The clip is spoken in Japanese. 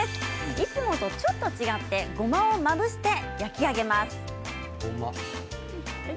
いつもとちょっと違ってごまをまぶして焼き上げます。